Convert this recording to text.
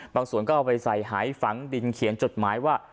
ส่วนก็เอาไปใส่หายฝังดินเขียนจดหมายว่า